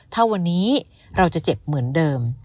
ถ้าวันนี้เราจะเจ็บเหมือนเดิม